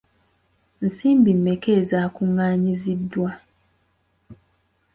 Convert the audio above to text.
Nsimbi mmeka ezaakungaanyiziddwa?